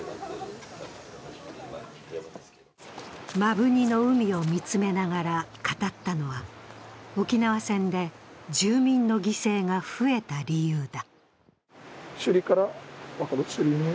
摩文仁の海を見つめながら語ったのは沖縄戦で住民の犠牲が増えた理由だ。